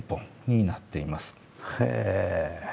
へえ。